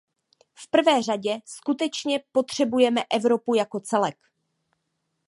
V prvé řadě skutečně potřebujeme Evropu jako celek.